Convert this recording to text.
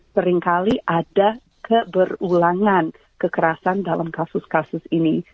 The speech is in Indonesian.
seringkali ada keberulangan kekerasan dalam kasus kasus ini